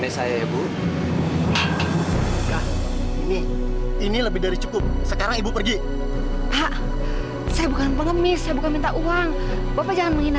sampai jumpa di video selanjutnya